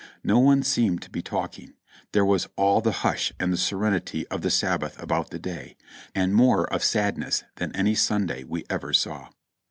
No one seemed to be talking; there was all the hush and the serenity of the Sabbath about the day, and more of sadness than any Sunday we ever saw.